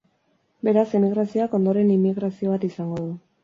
Beraz, emigrazioak, ondoren inmigrazio bat izango du.